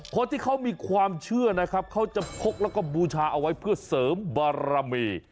คนที่เขามีความเชื่อนะครับเขาจะพกแล้วก็บูชาเอาไว้เพื่อเสริมบารมี